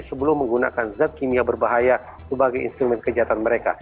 sebelum menggunakan zat kimia berbahaya sebagai instrumen kejahatan mereka